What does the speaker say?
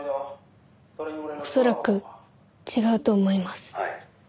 恐らく違うと思います。